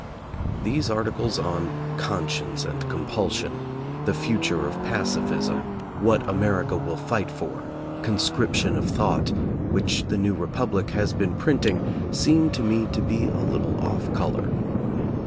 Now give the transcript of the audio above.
These articles on "Conscience and Compulsion," 'The Future of Pacifism," "What America Will Fight For," "Conscription of Thought," which The New Republic has been printing, seem to me to be a little off color.